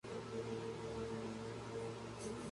Puede que este hospital fuese el llamado Hospital de San Juan.